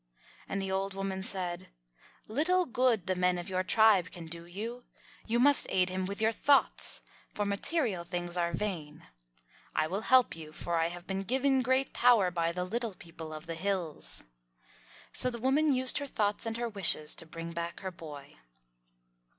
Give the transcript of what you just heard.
And the old woman said, "Little good the men of your tribe can do you! You must aid him with your thoughts, for material things are vain. I will help you, for I have been given great power by the Little People of the Hills." So the woman used her thoughts and her wishes to bring back her boy.